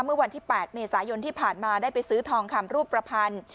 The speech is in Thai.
เมื่อวันที่๘เมษายนที่ผ่านมาได้ไปซื้อทองคำรูปประพันธ์